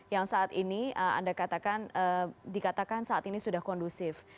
yang saat ini anda katakan dikatakan saat ini sudah kondusif